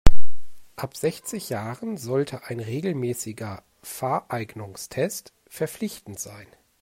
Ab sechzig Jahren sollte ein regelmäßiger Fahreignungstest verpflichtend sein.